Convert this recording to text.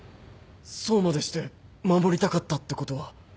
そうまでして守りたかったってことは。